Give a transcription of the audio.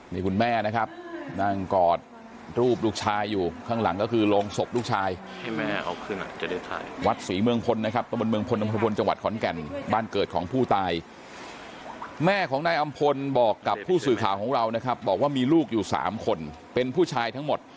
นี่คุณแม่นะครับนั่งกอดรูปลูกชายอยู่ข้างหลังก็คือโรงศพลูกชาย